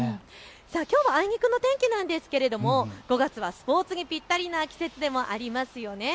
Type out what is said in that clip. きょうはあいにくの天気なんですが５月はスポーツにぴったりな季節でもありますよね。